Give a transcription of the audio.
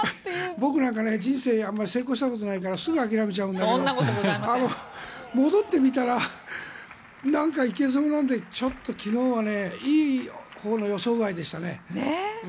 僕なんか人生あまり成功したことないからすぐ諦めちゃうんで戻ってみたら何かいけそうなんでちょっと昨日はいいほうの予想外でしたね。